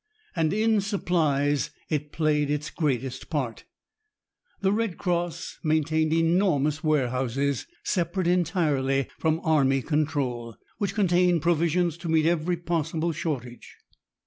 And in supplies it played its greatest part. The Red Cross maintained enormous warehouses, separate entirely from army control, which contained provisions to meet every possible shortage.